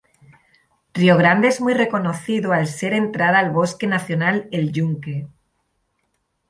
Río Grande es muy reconocido al ser entrada al Bosque Nacional El Yunque.